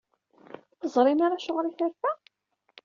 Ur teẓrim ara Acuɣer ay terfa?